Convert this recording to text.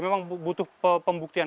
memang butuh pembuktian